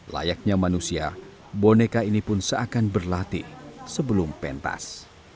layaknya manusia boneka ini pun seakan berlatih sebelum pentas